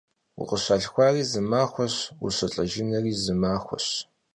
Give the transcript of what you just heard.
Vukhışalhxuari zı maxueş, vuşılh'ejjınuş zı maxueş.